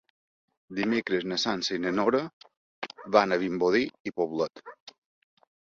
Dimecres na Sança i na Nora van a Vimbodí i Poblet.